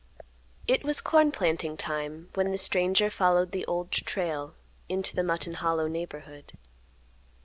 It was corn planting time, when the stranger followed the Old Trail into the Mutton Hollow neighborhood.